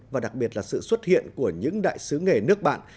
và đặc biệt là sự xuất hiện của những đại sứ nghề nước bạn